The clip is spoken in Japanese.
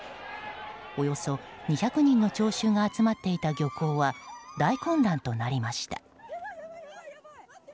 およそ２００人の聴衆が集まっていた漁港は大混乱となりました。